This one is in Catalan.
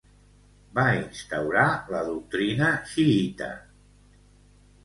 Va instaurar la doctrina xiïta.